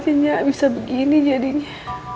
cuman gak nyangka aja bisa begini jadinya